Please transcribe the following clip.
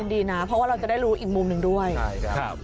ยินดีนะเพราะว่าเราจะได้รู้อีกมุมหนึ่งด้วย